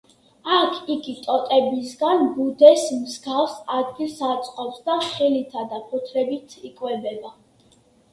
აქ იგი ტოტებისგან ბუდეს მსგავს ადგილს აწყობს და ხილითა და ფოთლებით იკვებება.